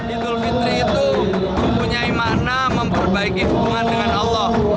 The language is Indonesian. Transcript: idul fitri itu mempunyai makna memperbaiki hubungan dengan allah